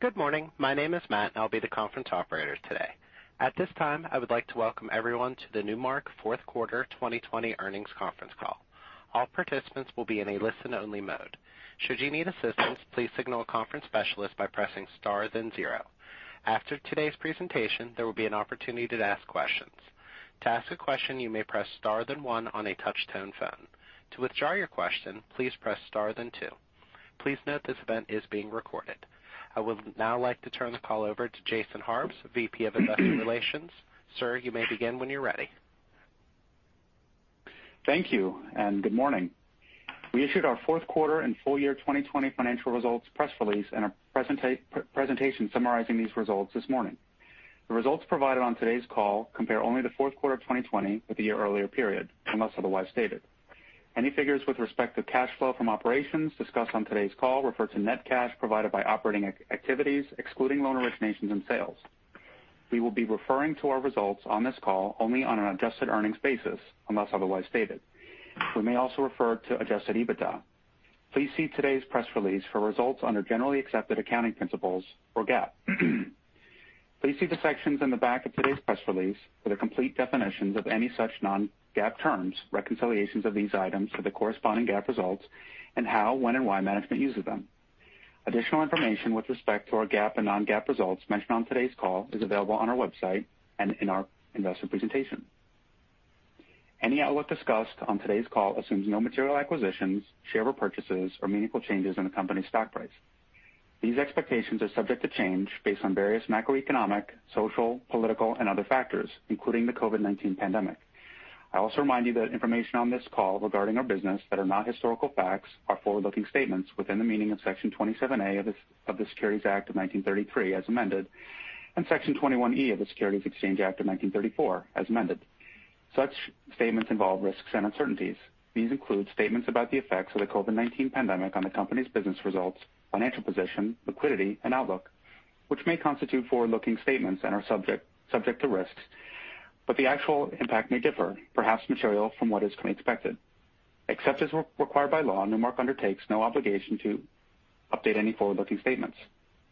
Good morning. My name is Matt and I'll be the conference operator today. At this time, I would like to welcome everyone to the Newmark fourth quarter 2020 earnings conference call. All participants will be in a listen-only mode. Should you need assistance, please signal a conference specialist by pressing star then zero. After today's presentation, there will be an opportunity to ask questions. To ask a question, you may press star then one on a touch-tone phone. To withdraw your question, please press star then two. Please note this event is being recorded. I would now like to turn the call over to Jason Harbes, VP of Investor Relations. Sir, you may begin when you're ready. Thank you and good morning. We issued our fourth quarter and full year 2020 financial results press release and our presentation summarizing these results this morning. The results provided on today's call compare only the fourth quarter of 2020 with the year earlier period, unless otherwise stated. Any figures with respect to cash flow from operations discussed on today's call refer to net cash provided by operating activities, excluding loan originations and sales. We will be referring to our results on this call only on an adjusted earnings basis, unless otherwise stated. We may also refer to Adjusted EBITDA. Please see today's press release for results under generally accepted accounting principles or GAAP. Please see the sections in the back of today's press release for the complete definitions of any such non-GAAP terms, reconciliations of these items to the corresponding GAAP results, and how, when, and why management uses them. Additional information with respect to our GAAP and non-GAAP results mentioned on today's call is available on our website and in our investor presentation. Any outlook discussed on today's call assumes no material acquisitions, share repurchases, or meaningful changes in the company's stock price. These expectations are subject to change based on various macroeconomic, social, political, and other factors, including the COVID-19 pandemic. I also remind you that information on this call regarding our business that are not historical facts are forward-looking statements within the meaning of Section 27A of the Securities Act of 1933 as amended, and Section 21E of the Securities Exchange Act of 1934 as amended. Such statements involve risks and uncertainties. These include statements about the effects of the COVID-19 pandemic on the company's business results, financial position, liquidity, and outlook, which may constitute forward-looking statements and are subject to risks, but the actual impact may differ, perhaps materially from what is currently expected. Except as required by law, Newmark undertakes no obligation to update any forward-looking statements.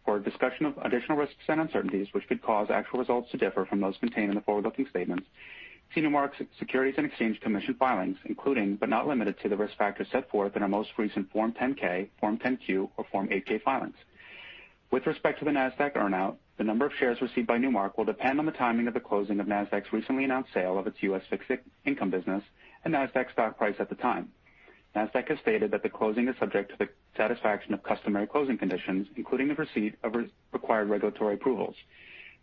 For a discussion of additional risks and uncertainties which could cause actual results to differ from those contained in the forward-looking statements, see Newmark's Securities and Exchange Commission filings including, but not limited to, the risk factors set forth in our most recent Form 10-K, Form 10-Q, or Form 8-K filings. With respect to the Nasdaq earn-out, the number of shares received by Newmark will depend on the timing of the closing of Nasdaq's recently announced sale of its U.S. fixed income business and Nasdaq's stock price at the time. Nasdaq has stated that the closing is subject to the satisfaction of customary closing conditions, including the receipt of required regulatory approvals.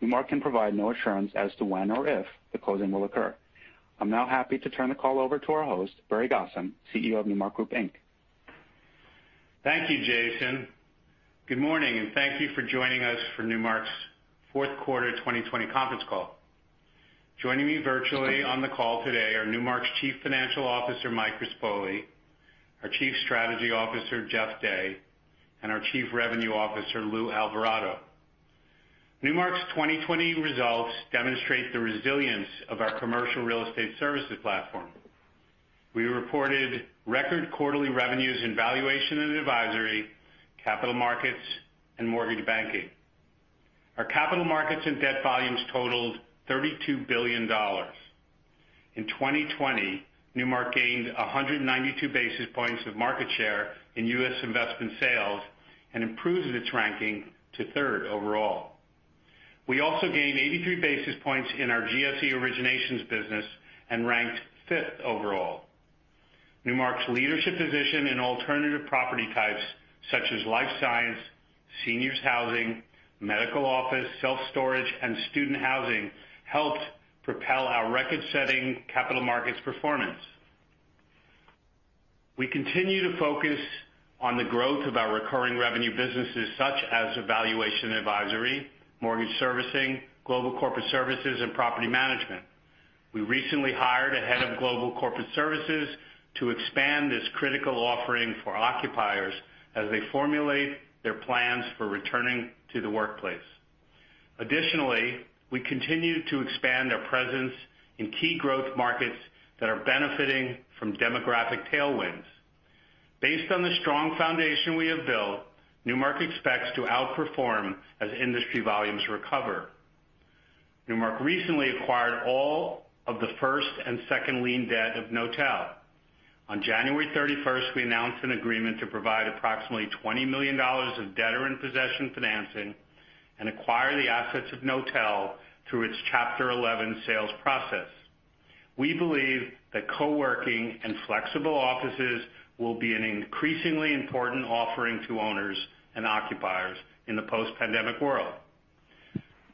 Newmark can provide no assurance as to when or if the closing will occur. I'm now happy to turn the call over to our host, Barry Gosin, CEO of Newmark Group Inc. Thank you, Jason. Good morning, and thank you for joining us for Newmark's fourth quarter 2020 conference call. Joining me virtually on the call today are Newmark's Chief Financial Officer, Mike Rispoli, our Chief Strategy Officer, Jeff Day, and our Chief Revenue Officer, Lou Alvarado. Newmark's 2020 results demonstrate the resilience of our commercial real estate services platform. We reported record quarterly revenues in Valuation & Advisory, Capital Markets, and Mortgage Banking. Our Capital Markets and debt volumes totaled $32 billion. In 2020, Newmark gained 192 basis points of market share in U.S. investment sales and improved its ranking to third overall. We also gained 83 basis points in our GSE Originations business and ranked fifth overall. Newmark's leadership position in alternative property types such as Life Science, Seniors Housing, Medical Office, Self-Storage, and Student Housing helped propel our record-setting Capital Markets performance. We continue to focus on the growth of our recurring revenue businesses such as Valuation & Advisory, Mortgage Servicing, Global Corporate Services, and Property Management. We recently hired a Head of Global Corporate Services to expand this critical offering for occupiers as they formulate their plans for returning to the workplace. Additionally, we continue to expand our presence in key growth markets that are benefiting from demographic tailwinds. Based on the strong foundation we have built, Newmark expects to outperform as industry volumes recover. Newmark recently acquired all of the first and second lien debt of Knotel. On January 31st, we announced an agreement to provide approximately $20 million of debtor-in-possession financing and acquire the assets of Knotel through its Chapter 11 sales process. We believe that co-working and flexible offices will be an increasingly important offering to owners and occupiers in the post-pandemic world.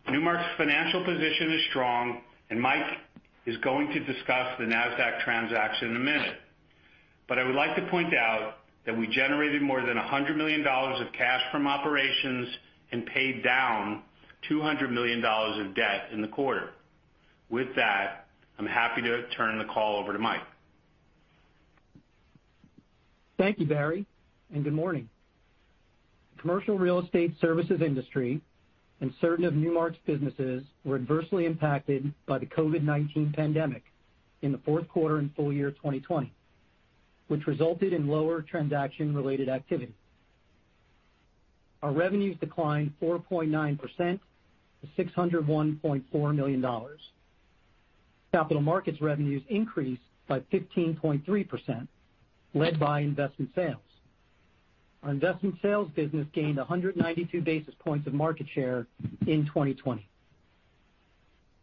Newmark's financial position is strong, Mike is going to discuss the Nasdaq transaction in a minute. I would like to point out that we generated more than $100 million of cash from operations and paid down $200 million of debt in the quarter. With that, I'm happy to turn the call over to Mike. Thank you, Barry, and good morning. The Commercial Real Estate Services industry and certain of Newmark's businesses were adversely impacted by the COVID-19 pandemic in the fourth quarter and full year 2020. Which resulted in lower transaction-related activity. Our revenues declined 4.9% to $601.4 million. Capital Markets revenues increased by 15.3%, led by Investment Sales. Our Investment Sales business gained 192 basis points of market share in 2020.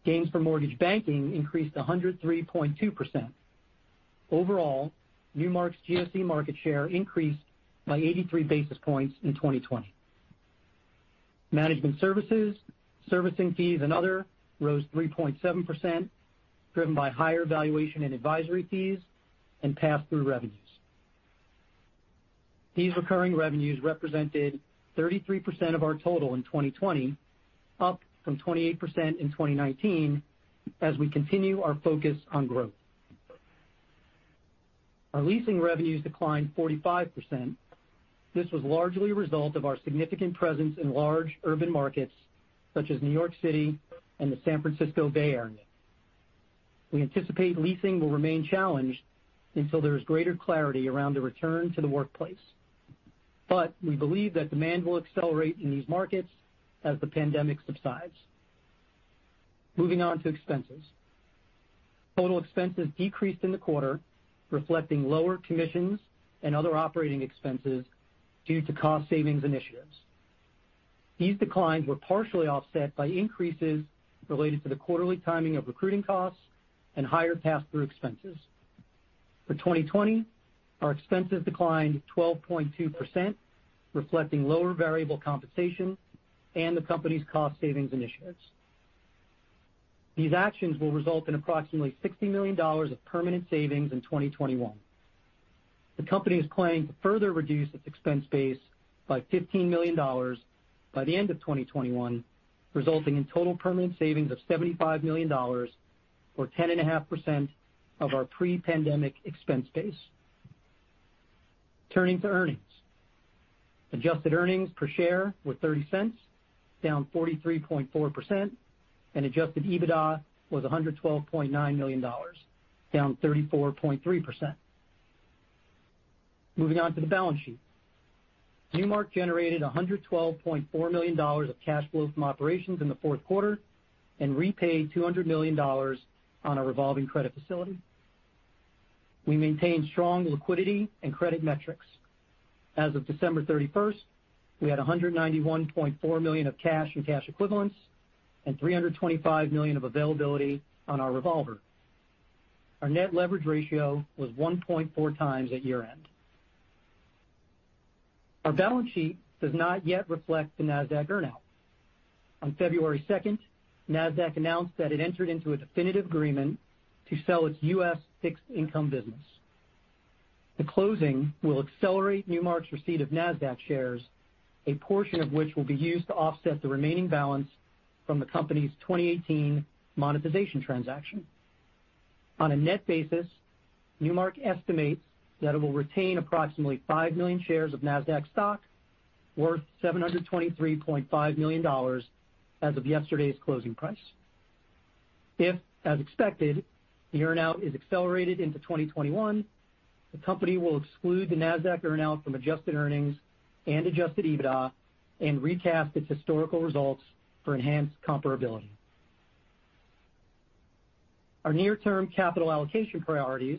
Gains for Mortgage Banking increased 103.2%. Overall, Newmark's GSE market share increased by 83 basis points in 2020. Management Services, Servicing Fees and other rose 3.7%, driven by higher Valuation & Advisory fees and pass-through revenues. These recurring revenues represented 33% of our total in 2020, up from 28% in 2019, as we continue our focus on growth. Our Leasing revenues declined 45%. This was largely a result of our significant presence in large urban markets such as New York City and the San Francisco Bay Area. We anticipate Leasing will remain challenged until there is greater clarity around the return to the workplace. We believe that demand will accelerate in these markets as the pandemic subsides. Moving on to expenses. Total expenses decreased in the quarter, reflecting lower commissions and other operating expenses due to cost savings initiatives. These declines were partially offset by increases related to the quarterly timing of recruiting costs and higher pass-through expenses. For 2020, our expenses declined 12.2%, reflecting lower variable compensation and the company's cost savings initiatives. These actions will result in approximately $60 million of permanent savings in 2021. The company is planning to further reduce its expense base by $15 million by the end of 2021, resulting in total permanent savings of $75 million or 10.5% of our pre-pandemic expense base. Turning to earnings. Adjusted earnings per share were $0.30, down 43.4%, and Adjusted EBITDA was $112.9 million, down 34.3%. Moving on to the balance sheet. Newmark generated $112.4 million of cash flow from operations in the fourth quarter and repaid $200 million on a revolving credit facility. We maintained strong liquidity and credit metrics. As of December 31st, we had $191.4 million of cash and cash equivalents and $325 million of availability on our revolver. Our net leverage ratio was 1.4x at year end. Our balance sheet does not yet reflect the Nasdaq earn-out. On February 2nd, Nasdaq announced that it entered into a definitive agreement to sell its U.S. fixed income business. The closing will accelerate Newmark's receipt of Nasdaq shares, a portion of which will be used to offset the remaining balance from the company's 2018 monetization transaction. On a net basis, Newmark estimates that it will retain approximately 5 million shares of Nasdaq stock, worth $723.5 million as of yesterday's closing price. If, as expected, the earn-out is accelerated into 2021, the company will exclude the Nasdaq earn-out from adjusted earnings and Adjusted EBITDA and recast its historical results for enhanced comparability. Our near-term capital allocation priorities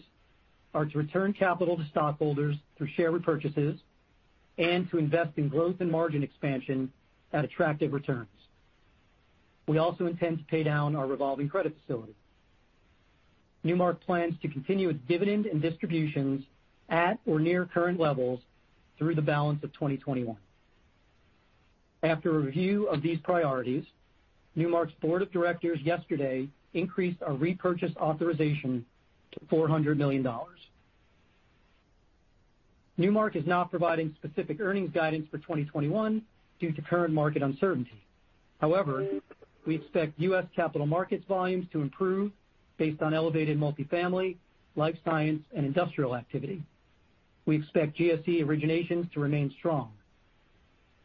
are to return capital to stockholders through share repurchases and to invest in growth and margin expansion at attractive returns. We also intend to pay down our revolving credit facility. Newmark plans to continue its dividend and distributions at or near current levels through the balance of 2021. After review of these priorities, Newmark's Board of Directors yesterday increased our repurchase authorization to $400 million. Newmark is not providing specific earnings guidance for 2021 due to current market uncertainty. However, we expect U.S. Capital Markets volumes to improve based on elevated Multifamily, Life Science, and Industrial activity. We expect GSE Originations to remain strong.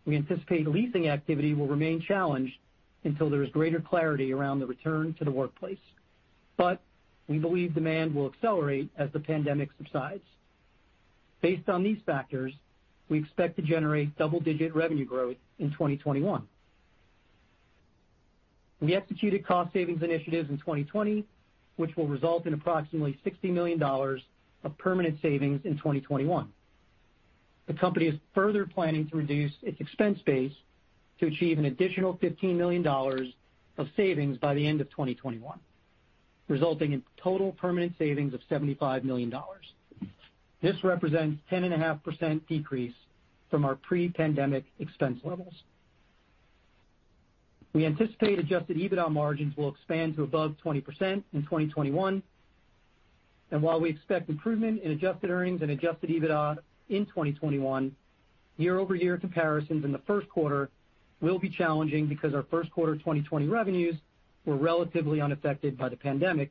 We anticipate Leasing activity will remain challenged until there is greater clarity around the return to the workplace. We believe demand will accelerate as the pandemic subsides. Based on these factors, we expect to generate double-digit revenue growth in 2021. We executed cost savings initiatives in 2020, which will result in approximately $60 million of permanent savings in 2021. The company is further planning to reduce its expense base to achieve an additional $15 million of savings by the end of 2021, resulting in total permanent savings of $75 million. This represents 10.5% decrease from our pre-pandemic expense levels. We anticipate Adjusted EBITDA margins will expand to above 20% in 2021. While we expect improvement in adjusted earnings and Adjusted EBITDA in 2021, year-over-year comparisons in the first quarter will be challenging because our first quarter 2020 revenues were relatively unaffected by the pandemic,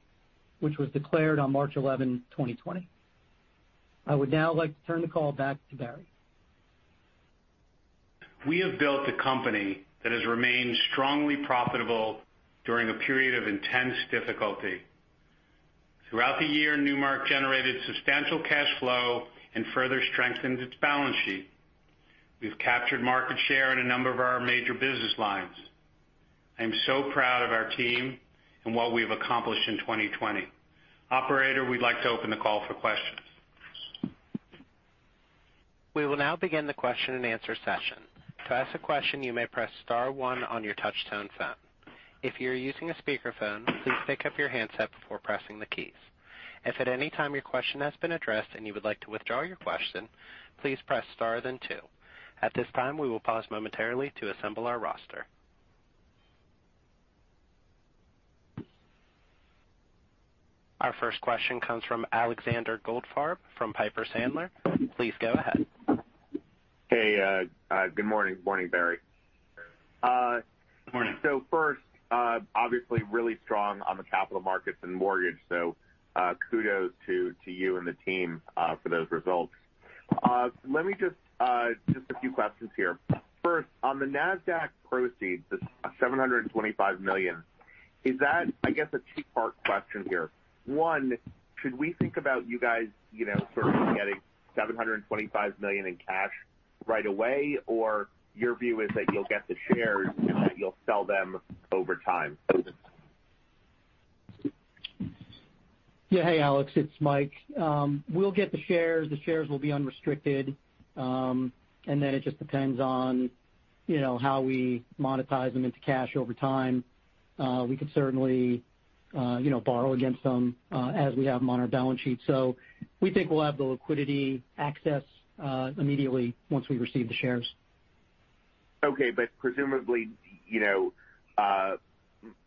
which was declared on March 11, 2020. I would now like to turn the call back to Barry. We have built a company that has remained strongly profitable during a period of intense difficulty. Throughout the year, Newmark generated substantial cash flow and further strengthened its balance sheet. We've captured market share in a number of our major business lines. I am so proud of our team and what we have accomplished in 2020. Operator, we'd like to open the call for questions. Our first question comes from Alexander Goldfarb from Piper Sandler. Please go ahead. Hey, good morning. Morning, Barry. Morning. First, obviously really strong on the Capital Markets and Mortgage. Kudos to you and the team for those results. Just a few questions here. First, on the Nasdaq proceeds, the $725 million. I guess a two-part question here. One, should we think about you guys sort of getting $725 million in cash right away, or your view is that you'll get the shares and that you'll sell them over time? Hey, Alex, it's Mike. We'll get the shares. The shares will be unrestricted, and then it just depends on how we monetize them into cash over time. We could certainly borrow against them, as we have them on our balance sheet. We think we'll have the liquidity access immediately once we receive the shares. Okay. Presumably,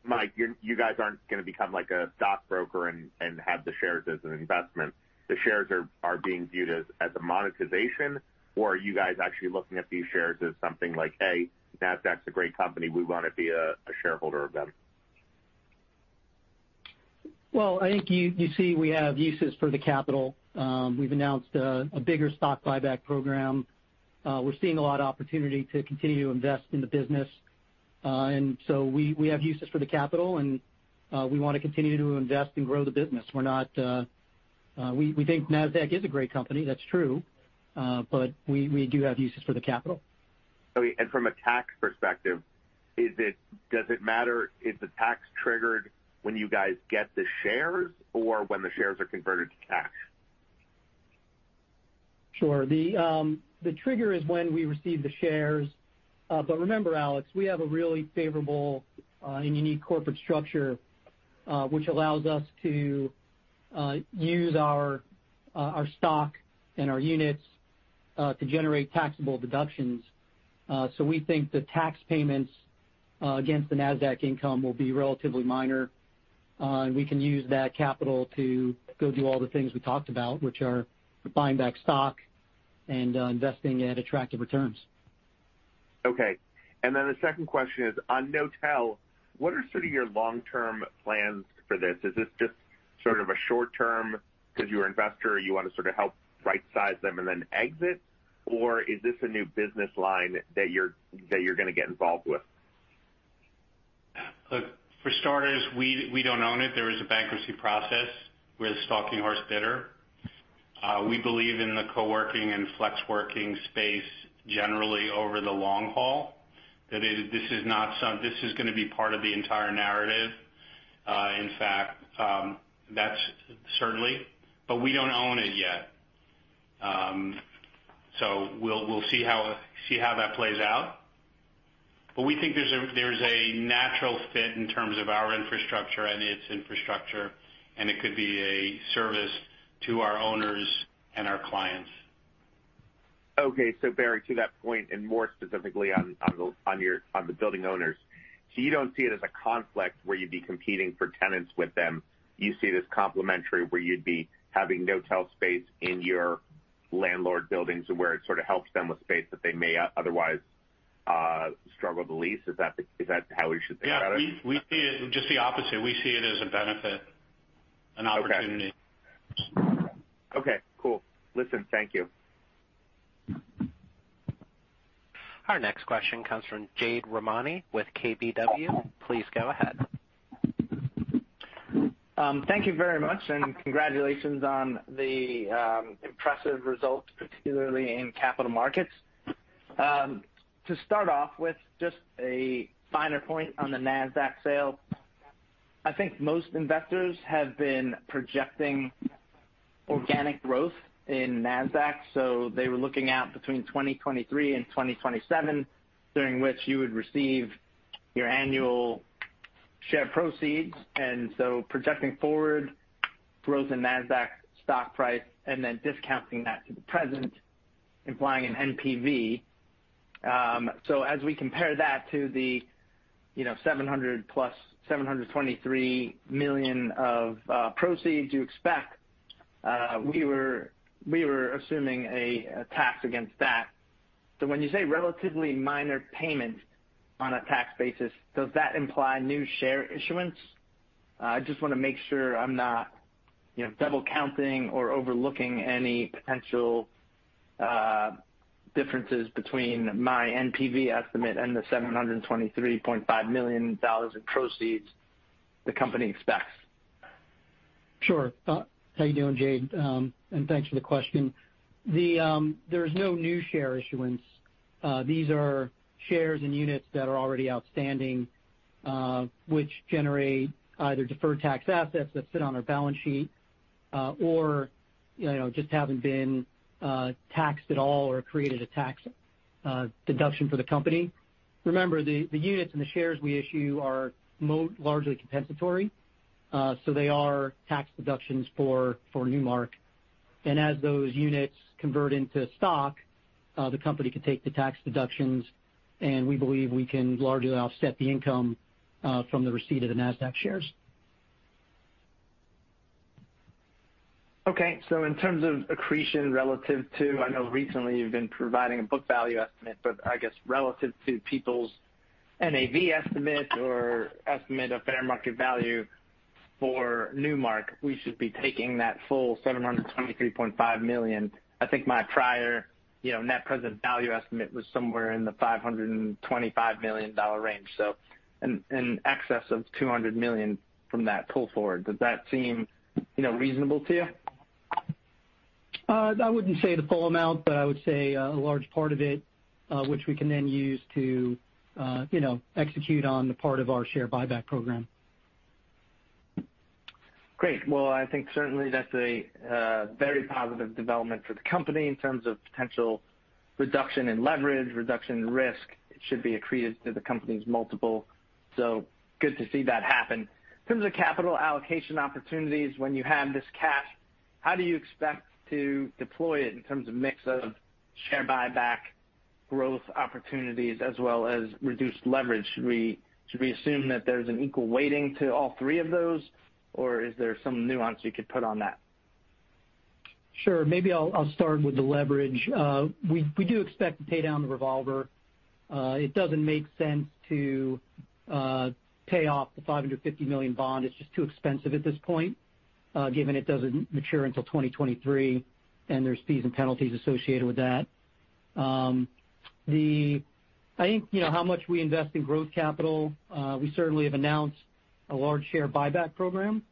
Mike, you guys aren't going to become like a stockbroker and have the shares as an investment. The shares are being viewed as a monetization, or are you guys actually looking at these shares as something like, "Hey, Nasdaq's a great company. We want to be a shareholder of them"? Well, I think you see we have uses for the capital. We've announced a bigger stock buyback program. We're seeing a lot of opportunity to continue to invest in the business. We have uses for the capital, and we want to continue to invest and grow the business. We think Nasdaq is a great company, that's true. We do have uses for the capital. From a tax perspective, does it matter if the tax triggered when you guys get the shares or when the shares are converted to cash? Sure. The trigger is when we receive the shares. Remember Alex, we have a really favorable and unique corporate structure, which allows us to use our stock and our units to generate taxable deductions. We think the tax payments against the Nasdaq income will be relatively minor. We can use that capital to go do all the things we talked about, which are buying back stock and investing at attractive returns. Okay. The second question is on Knotel, what are sort of your long-term plans for this? Is this just sort of a short-term because you're an investor, you want to sort of help rightsize them and then exit? Is this a new business line that you're going to get involved with? Look, for starters, we don't own it. There is a bankruptcy process. We're the stalking horse bidder. We believe in the co-working and flex working space generally over the long haul. This is going to be part of the entire narrative. We don't own it yet. We'll see how that plays out. We think there's a natural fit in terms of our infrastructure and its infrastructure, and it could be a service to our owners and our clients. Okay. Barry, to that point, and more specifically on the building owners. You don't see it as a conflict where you'd be competing for tenants with them. You see this complementary, where you'd be having Knotel space in your landlord buildings where it sort of helps them with space that they may otherwise struggle to lease. Is that how we should think about it? Yeah. We see it just the opposite. We see it as a benefit- Okay. an opportunity. Okay, cool. Listen, thank you. Our next question comes from Jade Rahmani with KBW. Please go ahead. Thank you very much. Congratulations on the impressive results, particularly in Capital Markets. To start off with just a finer point on the Nasdaq sale. I think most investors have been projecting organic growth in Nasdaq, so they were looking out between 2023 and 2027, during which you would receive your annual share proceeds, and so projecting forward growth in Nasdaq stock price and then discounting that to the present, implying an NPV. As we compare that to the $723 million of proceeds you expect, we were assuming a tax against that. When you say relatively minor payment on a tax basis, does that imply new share issuance? I just want to make sure I'm not double counting or overlooking any potential differences between my NPV estimate and the $723.5 million of proceeds the company expects. Sure. How you doing, Jade? Thanks for the question. There's no new share issuance. These are shares and units that are already outstanding, which generate either deferred tax assets that sit on our balance sheet, or just haven't been taxed at all or created a tax deduction for the company. Remember, the units and the shares we issue are largely compensatory, so they are tax deductions for Newmark. As those units convert into stock, the company can take the tax deductions, and we believe we can largely offset the income from the receipt of the Nasdaq shares. Okay. In terms of accretion relative to, I know recently you've been providing a book value estimate, but I guess relative to people's NAV estimate or estimate of fair market value for Newmark, we should be taking that full $723.5 million. I think my prior net present value estimate was somewhere in the $525 million range. In excess of $200 million from that pull forward. Does that seem reasonable to you? I wouldn't say the full amount, but I would say a large part of it, which we can then use to execute on the part of our share buyback program. Great. Well, I think certainly that's a very positive development for the company in terms of potential reduction in leverage, reduction in risk. It should be accretive to the company's multiple. Good to see that happen. In terms of capital allocation opportunities, when you have this cash, how do you expect to deploy it in terms of mix of share buyback, growth opportunities, as well as reduced leverage? Should we assume that there's an equal weighting to all three of those, or is there some nuance you could put on that? Sure. Maybe I'll start with the leverage. We do expect to pay down the revolver. It doesn't make sense to pay off the $550 million bond. It's just too expensive at this point, given it doesn't mature until 2023, and there's fees and penalties associated with that. I think how much we invest in growth capital, we certainly have announced a large share buyback program.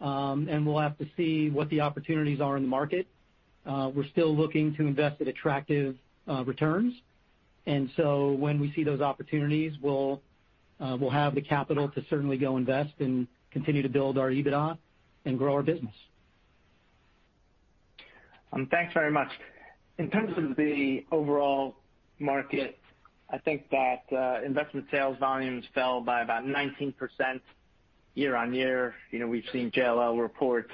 We'll have to see what the opportunities are in the market. We're still looking to invest at attractive returns. When we see those opportunities, we'll have the capital to certainly go invest and continue to build our EBITDA and grow our business. Thanks very much. In terms of the overall market, I think that Investment Sales volumes fell by about 19% year-on-year. We've seen JLL report,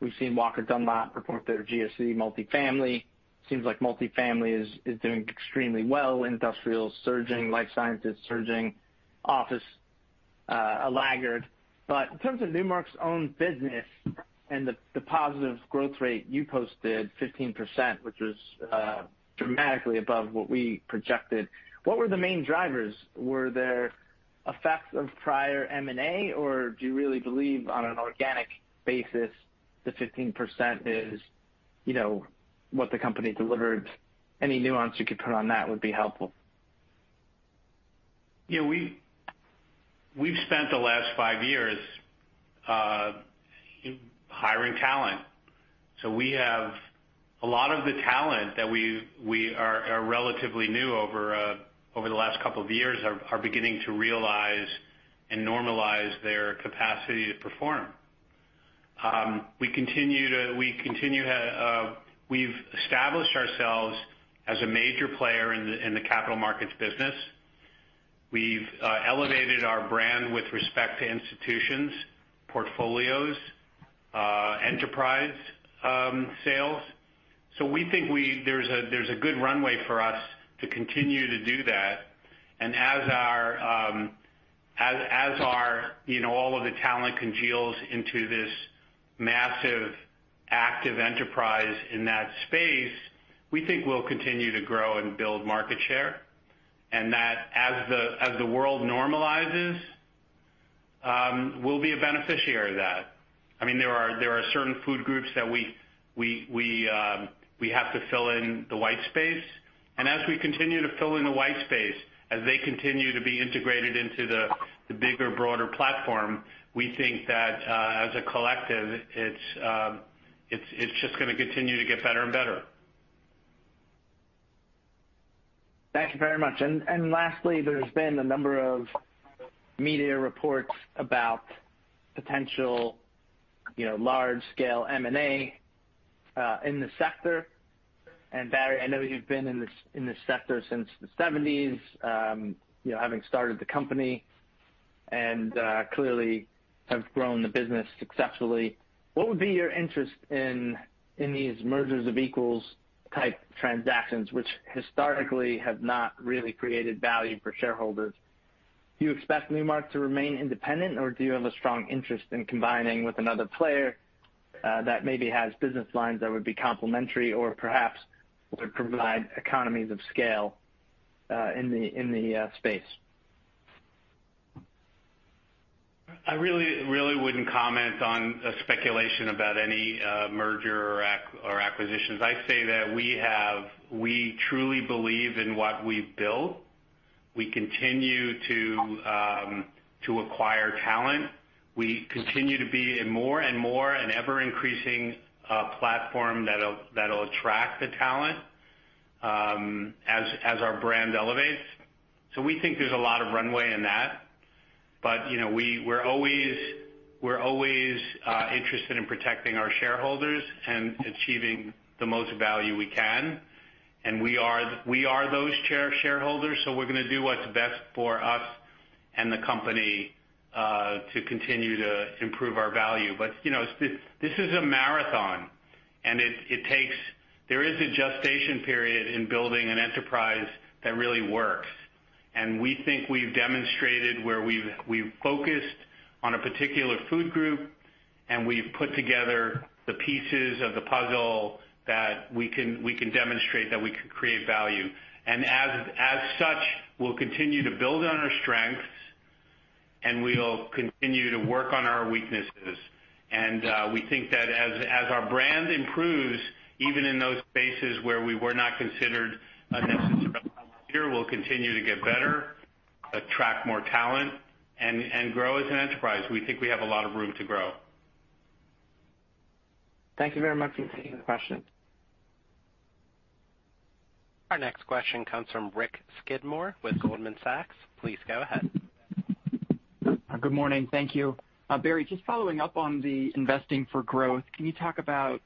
we've seen Walker & Dunlop report their GSE Multifamily. Seems like Multifamily is doing extremely well. Industrial surging, Life Sciences surging. Office, a laggard. In terms of Newmark's own business and the positive growth rate you posted, 15%, which was dramatically above what we projected, what were the main drivers? Were there effects of prior M&A, or do you really believe on an organic basis, the 15% is what the company delivered? Any nuance you could put on that would be helpful. Yeah. We've spent the last five years hiring talent. We have a lot of the talent that we are relatively new over the last couple of years are beginning to realize and normalize their capacity to perform. We've established ourselves as a major player in the Capital Markets business. We've elevated our brand with respect to institutions, portfolios, enterprise sales. We think there's a good runway for us to continue to do that. As all of the talent congeals into this massive, active enterprise in that space, we think we'll continue to grow and build market share. That as the world normalizes, we'll be a beneficiary of that. There are certain food groups that we have to fill in the white space. As we continue to fill in the white space, as they continue to be integrated into the bigger, broader platform, we think that as a collective, it's just going to continue to get better and better. Thank you very much. Lastly, there's been a number of media reports about potential large-scale M&A in the sector. Barry, I know you've been in this sector since the '70s, having started the company and clearly have grown the business successfully. What would be your interest in these mergers of equals type transactions, which historically have not really created value for shareholders? Do you expect Newmark to remain independent, or do you have a strong interest in combining with another player that maybe has business lines that would be complementary or perhaps would provide economies of scale in the space? I really wouldn't comment on speculation about any merger or acquisitions. I say that we truly believe in what we've built. We continue to acquire talent. We continue to be more and more an ever-increasing platform that'll attract the talent as our brand elevates. We think there's a lot of runway in that. We're always interested in protecting our shareholders and achieving the most value we can. We are those shareholders, so we're going to do what's best for us and the company to continue to improve our value. This is a marathon, and there is a gestation period in building an enterprise that really works. We think we've demonstrated where we've focused on a particular food group, and we've put together the pieces of the puzzle that we can demonstrate that we can create value. As such, we'll continue to build on our strengths, and we will continue to work on our weaknesses. We think that as our brand improves, even in those spaces where we were not considered a necessarily leader, we'll continue to get better, attract more talent, and grow as an enterprise. We think we have a lot of room to grow. Thank you very much. Appreciate the question. Our next question comes from Rick Skidmore with Goldman Sachs. Please go ahead. Good morning. Thank you. Barry, just following up on the investing for growth. Can you talk about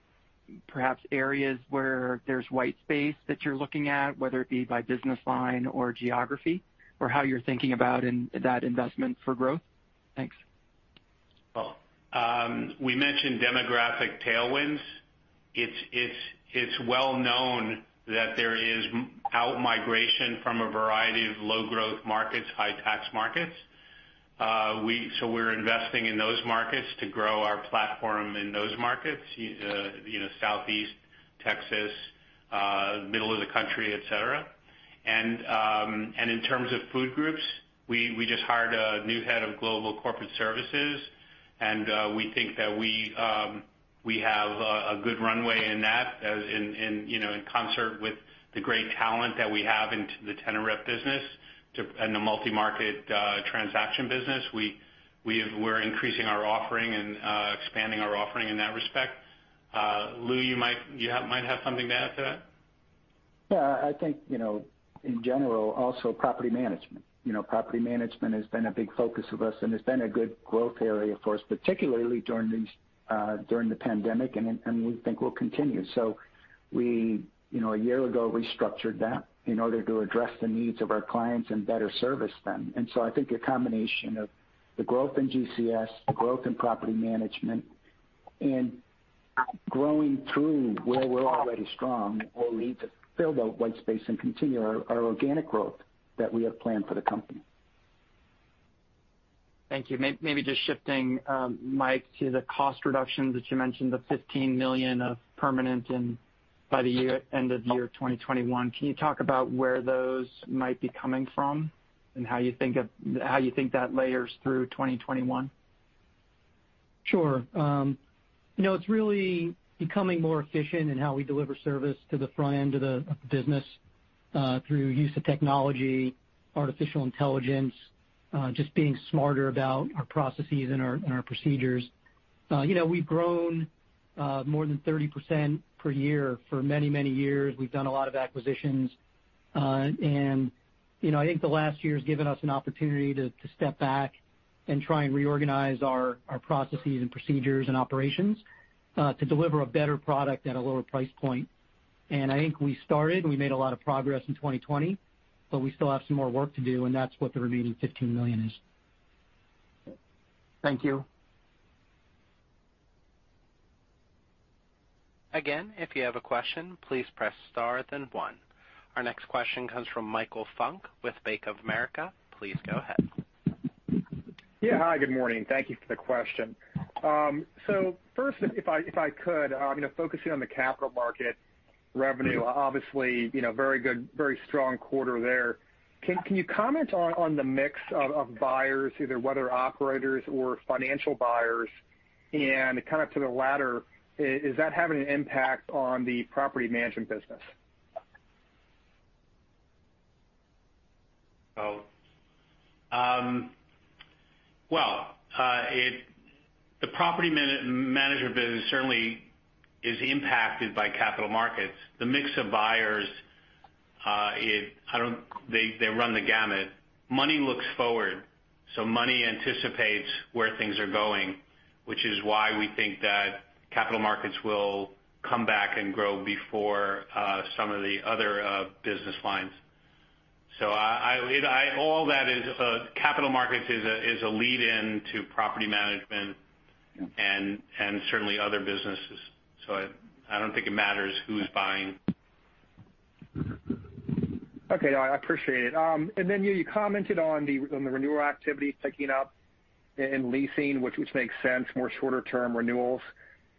perhaps areas where there's white space that you're looking at, whether it be by business line or geography, or how you're thinking about that investment for growth? Thanks. We mentioned demographic tailwinds. It's well known that there is outmigration from a variety of low growth markets, high tax markets. We're investing in those markets to grow our platform in those markets, Southeast Texas, middle of the country, et cetera. In terms of food groups, we just hired a new Head of Global Corporate Services, and we think that we have a good runway in that, in concert with the great talent that we have in the tenant rep business and the multi-market transaction business. We're increasing our offering and expanding our offering in that respect. Lou, you might have something to add to that? Yeah, I think, in general, also Property Management. Property Management has been a big focus of us, and it's been a good growth area for us, particularly during the pandemic, and we think will continue. We, a year ago, restructured that in order to address the needs of our clients and better service them. I think a combination of the growth in GCS, the growth in Property Management, and growing through where we're already strong will lead to fill the white space and continue our organic growth that we have planned for the company. Thank you. Maybe just shifting, Mike, to the cost reductions that you mentioned, the $15 million of permanent by the end of year 2021. Can you talk about where those might be coming from and how you think that layers through 2021? Sure. It's really becoming more efficient in how we deliver service to the front end of the business through use of technology, artificial intelligence, just being smarter about our processes and our procedures. We've grown more than 30% per year for many years. We've done a lot of acquisitions. I think the last year has given us an opportunity to step back and try and reorganize our processes and procedures and operations to deliver a better product at a lower price point. I think we made a lot of progress in 2020, but we still have some more work to do, and that's what the remaining $15 million-ish. Thank you. Again, if you have a question, please press star then one. Our next question comes from Michael Funk with Bank of America. Please go ahead. Yeah. Hi, good morning. Thank you for the question. First, if I could, focusing on the Capital Markets revenue, obviously, very good, very strong quarter there. Can you comment on the mix of buyers, either whether operators or financial buyers? To the latter, is that having an impact on the Property Management business? Well, the Property Management business certainly is impacted by Capital Markets. The mix of buyers, they run the gamut. Money looks forward. Money anticipates where things are going, which is why we think that Capital Markets will come back and grow before some of the other business lines. Capital Markets is a lead in to Property Management and certainly other businesses. I don't think it matters who's buying. Okay. No, I appreciate it. Then you commented on the renewal activity picking up in leasing, which makes sense, more shorter term renewals.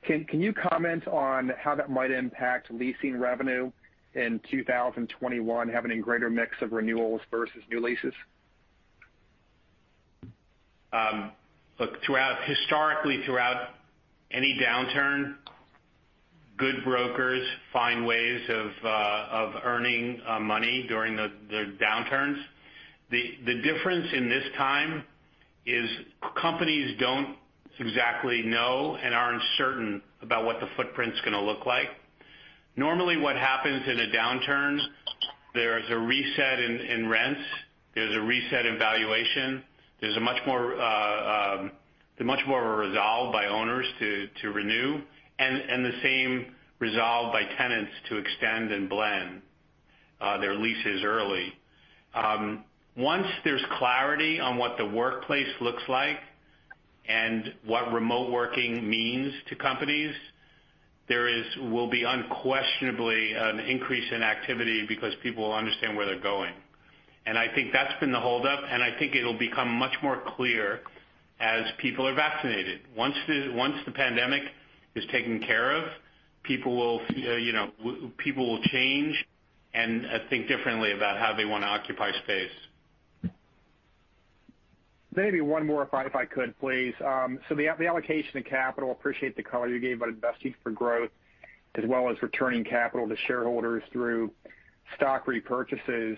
Can you comment on how that might impact Leasing revenue in 2021 having a greater mix of renewals versus new leases? Historically, throughout any downturn, good brokers find ways of earning money during the downturns. The difference this time is companies don't exactly know and are uncertain about what the footprint's going to look like. Normally what happens in a downturn, there's a reset in rents. There's a reset in valuation. There's much more of a resolve by owners to renew and the same resolve by tenants to extend and blend their leases early. Once there's clarity on what the workplace looks like and what remote working means to companies, there will be unquestionably an increase in activity because people will understand where they're going. I think that's been the hold-up, and I think it'll become much more clear as people are vaccinated. Once the pandemic is taken care of, people will change and think differently about how they want to occupy space. Maybe one more if I could please. The allocation of capital, appreciate the color you gave about Investing for Growth as well as returning capital to shareholders through stock repurchases.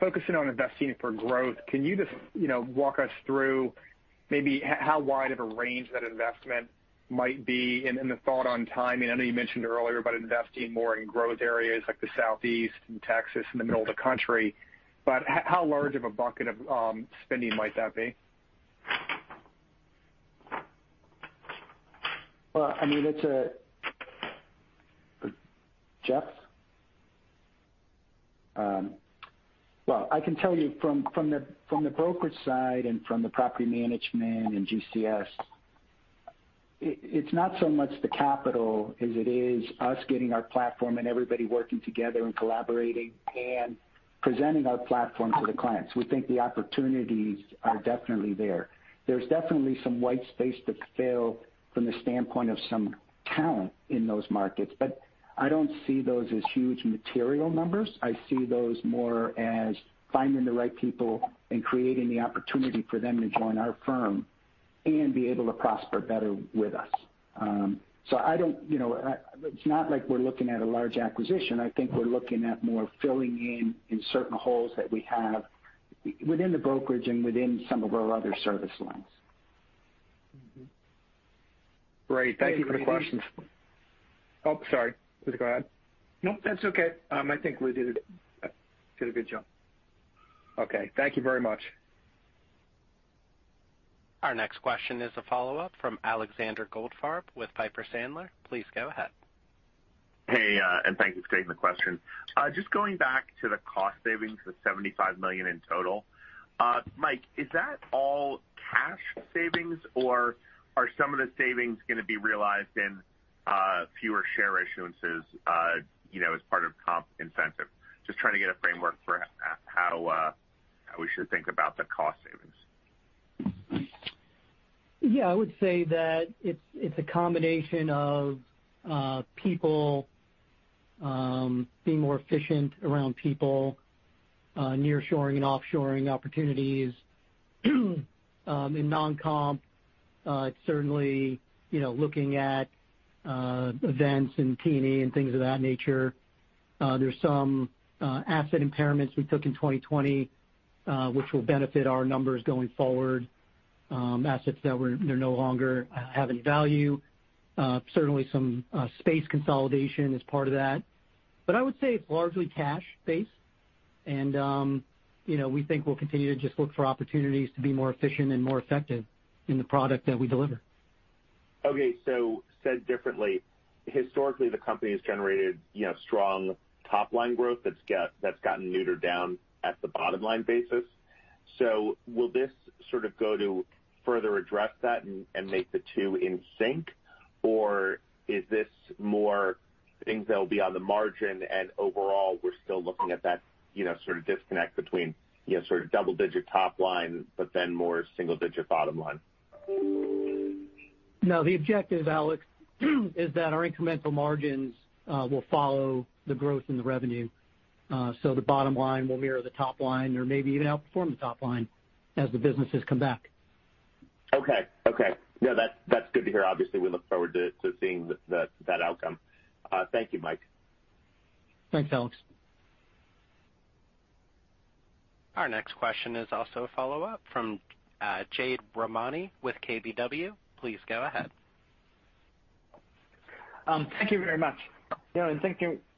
Focusing on Investing for Growth, can you just walk us through maybe how wide of a range that investment might be and the thought on timing? I know you mentioned earlier about investing more in growth areas like the Southeast and Texas and the middle of the country. How large of a bucket of spending might that be? Well, I mean, it's Jeff. Well, I can tell you from the brokerage side and from the Property Management and GCS, it's not so much the capital as it is us getting our platform and everybody working together and collaborating, and presenting our platform to the clients. We think the opportunities are definitely there. There's definitely some white space to fill from the standpoint of some talent in those markets, but I don't see those as huge material numbers. I see those more as finding the right people and creating the opportunity for them to join our firm and be able to prosper better with us. It's not like we're looking at a large acquisition. I think we're looking at more filling in certain holes that we have within the brokerage and within some of our other service lines. Great. Thank you for the questions. Oh, sorry. Please go ahead. No, that's okay. I think we did a good job. Okay. Thank you very much. Our next question is a follow-up from Alexander Goldfarb with Piper Sandler. Please go ahead. Thank you for taking the question. Going back to the cost savings of $75 million in total. Mike, is that all cash savings, or are some of the savings going to be realized in fewer share issuances as part of comp incentive? Trying to get a framework for how we should think about the cost savings. Yeah, I would say that it's a combination of people being more efficient around people, nearshoring and offshoring opportunities. In non-comp, it's certainly looking at events and T&E and things of that nature. There's some asset impairments we took in 2020, which will benefit our numbers going forward. Assets that no longer have any value. Certainly, some space consolidation is part of that. I would say it's largely cash based, and we think we'll continue to just look for opportunities to be more efficient and more effective in the product that we deliver. Okay, said differently. Historically, the company has generated strong top-line growth that's gotten neutered down at the bottom-line basis. Will this sort of go to further address that and make the two in sync? Or is this more things that will be on the margin and overall, we're still looking at that sort of disconnect between sort of double-digit top line, but then more single-digit bottom line? No, the objective, Alex, is that our incremental margins will follow the growth in the revenue. The bottom line will mirror the top line or maybe even outperform the top line as the businesses come back. Okay. That's good to hear. Obviously, we look forward to seeing that outcome. Thank you, Mike. Thanks, Alex. Our next question is also a follow-up from Jade Rahmani with KBW. Please go ahead. Thank you very much. In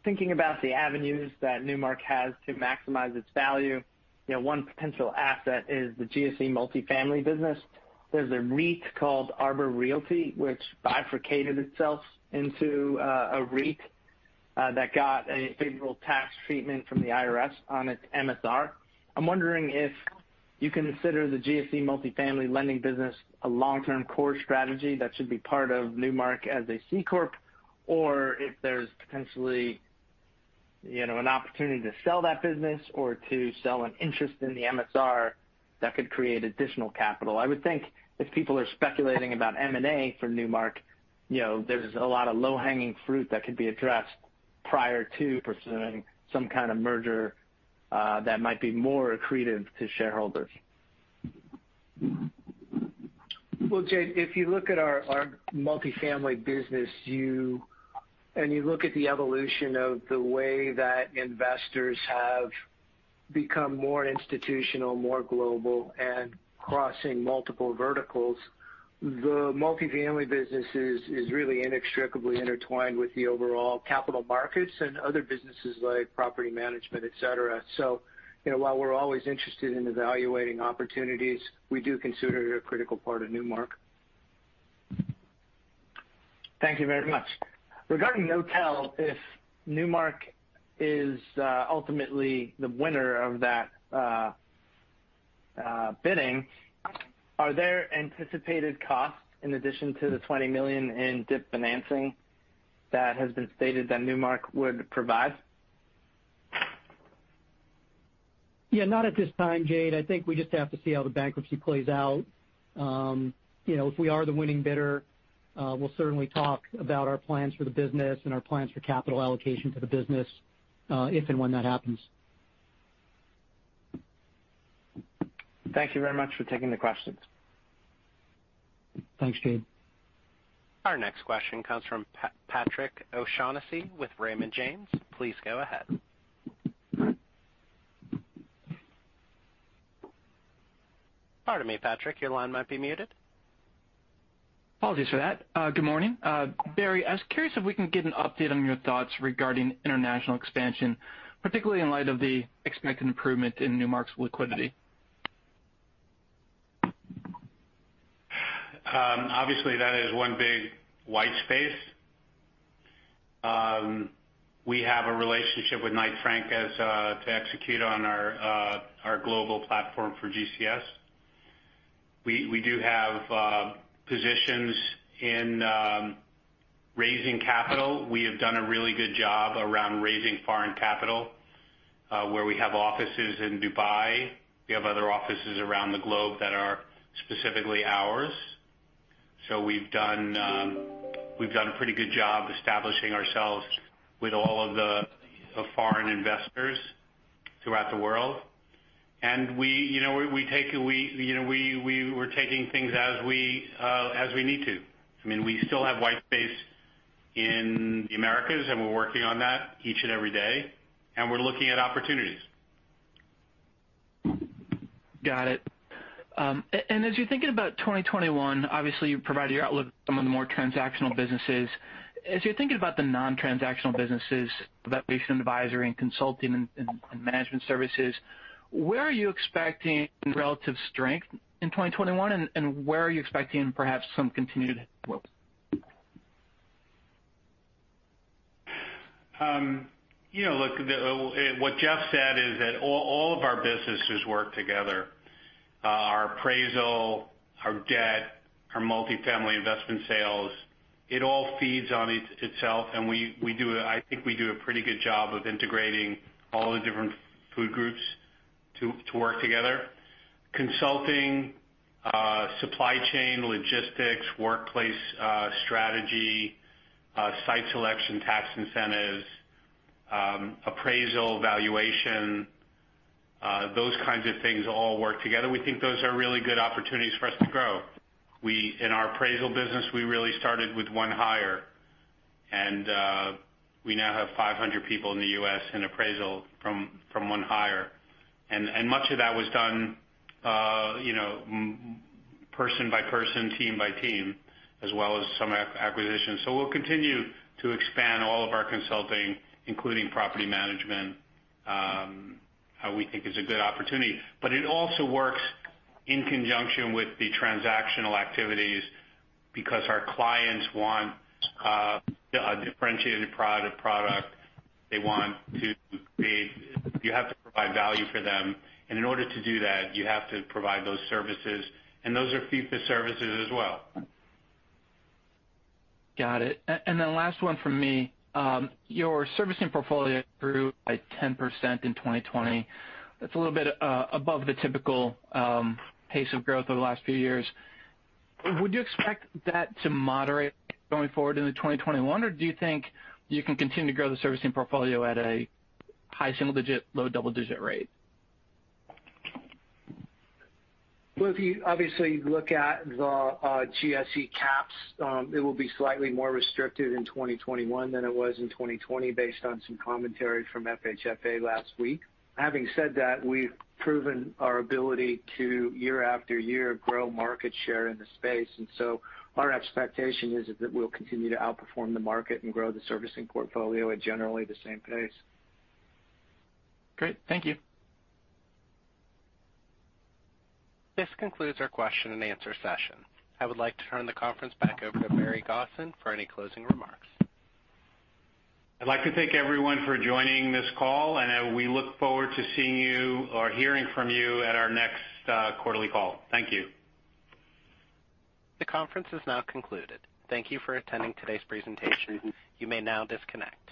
thinking about the avenues that Newmark has to maximize its value, one potential asset is the GSE Multifamily business. There's a REIT called Arbor Realty, which bifurcated itself into a REIT that got a favorable tax treatment from the IRS on its MSR. I'm wondering if you consider the GSE Multifamily lending business a long-term core strategy that should be part of Newmark as a C corp, or if there's potentially an opportunity to sell that business or to sell an interest in the MSR that could create additional capital. I would think if people are speculating about M&A for Newmark, there's a lot of low-hanging fruit that could be addressed prior to pursuing some kind of merger that might be more accretive to shareholders. Well, Jade, if you look at our Multifamily business and you look at the evolution of the way that investors have become more institutional, more global, and crossing multiple verticals, the Multifamily business is really inextricably intertwined with the overall Capital Markets and other businesses like Property Management, et cetera. While we're always interested in evaluating opportunities, we do consider it a critical part of Newmark. Thank you very much. Regarding Knotel, if Newmark is ultimately the winner of that bidding, are there anticipated costs in addition to the $20 million in DIP financing that has been stated that Newmark would provide? Yeah, not at this time, Jade. I think we just have to see how the bankruptcy plays out. If we are the winning bidder, we'll certainly talk about our plans for the business and our plans for capital allocation for the business, if and when that happens. Thank you very much for taking the questions. Thanks, Jade. Our next question comes from Patrick O'Shaughnessy with Raymond James. Please go ahead. Pardon me, Patrick, your line might be muted. Apologies for that. Good morning. Barry, I was curious if we can get an update on your thoughts regarding international expansion, particularly in light of the expected improvement in Newmark's liquidity. Obviously, that is one big white space. We have a relationship with Knight Frank to execute on our global platform for GCS. We do have positions in raising capital. We have done a really good job around raising foreign capital, where we have offices in Dubai. We have other offices around the globe that are specifically ours. We've done a pretty good job establishing ourselves with all of the foreign investors throughout the world. We're taking things as we need to. We still have white space in the Americas, and we're working on that each and every day, and we're looking at opportunities. Got it. As you're thinking about 2021, obviously you provided your outlook for some of the more transactional businesses. As you're thinking about the non-transactional businesses, Valuation & Advisory and Consulting and Management Services, where are you expecting relative strength in 2021 and where are you expecting perhaps some continued? Look, what Jeff said is that all of our businesses work together. Our Appraisal, our Debt, our Multifamily Investment Sales, it all feeds on itself, and I think we do a pretty good job of integrating all the different food groups to work together. consulting, supply chain, logistics, workplace strategy, site selection, tax incentives, appraisal valuation, those kinds of things all work together. We think those are really good opportunities for us to grow. In our Appraisal business, we really started with one hire, and we now have 500 people in the U.S. in Appraisal from one hire. Much of that was done person by person, team by team, as well as some acquisitions. We'll continue to expand all of our consulting, including Property Management, we think is a good opportunity. It also works in conjunction with the transactional activities because our clients want a differentiated product. You have to provide value for them, and in order to do that, you have to provide those services, and those are fee for services as well. Got it. Then last one from me. Your servicing portfolio grew by 10% in 2020. That's a little bit above the typical pace of growth over the last few years. Would you expect that to moderate going forward into 2021, or do you think you can continue to grow the servicing portfolio at a high single-digit, low double-digit rate? Well, if you obviously look at the GSE caps, it will be slightly more restricted in 2021 than it was in 2020 based on some commentary from FHFA last week. Having said that, we've proven our ability to year-after-year grow market share in the space, and so our expectation is that we'll continue to outperform the market and grow the servicing portfolio at generally the same pace. Great. Thank you. This concludes our question and answer session. I would like to turn the conference back over to Barry Gosin for any closing remarks. I'd like to thank everyone for joining this call, and we look forward to seeing you or hearing from you at our next quarterly call. Thank you. The conference is now concluded. Thank you for attending today's presentation. You may now disconnect.